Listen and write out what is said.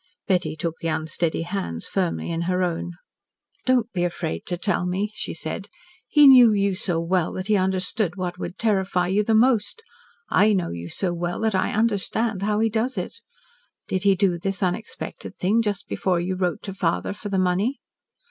Betty took the unsteady hands firmly in her own. "Don't be afraid to tell me," she said. "He knew you so well that he understood what would terrify you the most. I know you so well that I understand how he does it. Did he do this unexpected thing just before you wrote to father for the money?"